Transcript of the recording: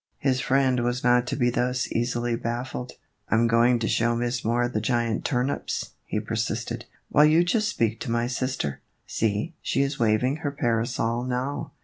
His friend was not to be thus easily baffled. " I 'm going to show Miss Moore the giant turnips," he persisted, "while you just speak to my sister. See, she 's is waving her parasol now."